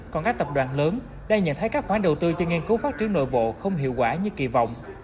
còn các tập đoàn lớn đang nhận thấy các khoản đầu tư cho nghiên cứu phát triển nội bộ không hiệu quả như kỳ vọng